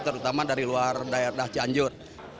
terutama dari luar daerah cianjur